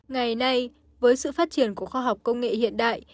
ngày nay với sự phát triển của khoa học công nghệ hiện đại